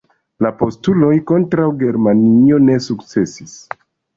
La postuloj kontraŭ Germanio ne sukcesis.